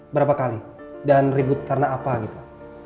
berapa kali dan ribut karena apa gitu